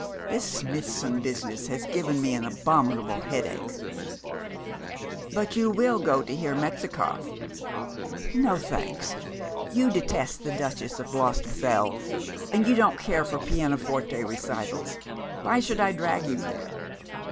'This Smithson business has given me an abominable headache.' 'But you will go to hear Metzikoff?' 'No, thanks. You detest the Duchess of Lostwithiel, and you don't care for pianoforte recitals. Why should I drag you there?'